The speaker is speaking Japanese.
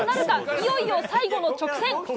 いよいよ最後の直線！